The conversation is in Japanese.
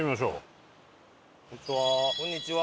こんにちは。